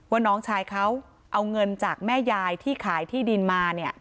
น้องชายเขาเอาเงินจากแม่ยายที่ขายที่ดินมาเนี่ย